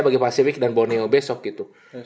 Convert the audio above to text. bagi pasifik dan borneo besok gitu